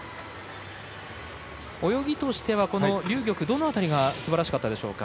泳ぎとしては劉玉、どの辺りがすばらしかったでしょうか？